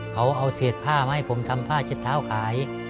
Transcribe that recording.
เขาเอาเศษผ้ามาให้ผมทำผ้าเช็ดเท้าขาย